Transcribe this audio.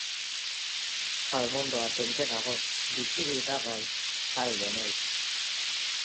Palmondoa tente dago, bizirik darrai, salbo naiz.